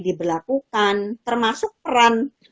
diberlakukan termasuk peran